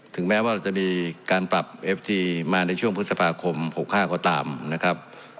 แม้ว่าเราจะมีการปรับเอฟทีมาในช่วงพฤษภาคม๖๕ก็ตามนะครับ